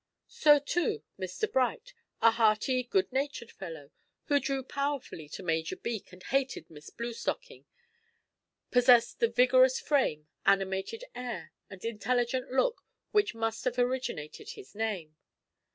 So, too, Mr Bright a hearty good natured fellow, who drew powerfully to Major Beak and hated Miss Bluestocking possessed the vigorous frame, animated air, and intelligent look which must have originated his name.